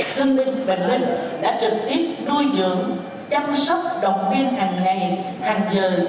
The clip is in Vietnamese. thương minh bệnh minh đã trực tiếp nuôi dưỡng chăm sóc động viên hàng ngày hàng giờ cho các đồng chí